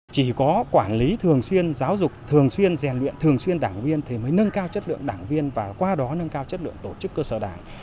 chỉ có quản lý thường xuyên giáo dục thường xuyên rèn luyện thường xuyên đảng viên thì mới nâng cao chất lượng đảng viên và qua đó nâng cao chất lượng tổ chức cơ sở đảng